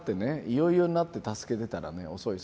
いよいよになって助けてたらね遅い。